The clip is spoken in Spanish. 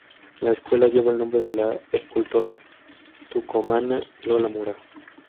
La escuela lleva el nombre la escultora tucumana Lola Mora.